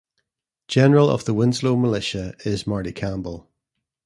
General of the Winslow Militia is Marty Campbell.